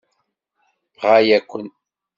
Ɣaya-ken!